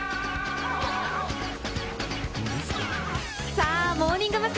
さあ、モーニング娘。